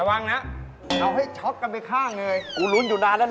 นั่งมานั่งมานั่งมานั่ง